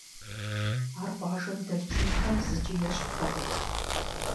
Ар къуажэм дэлъ чынхэм зыкӀи ещхьтэкъым.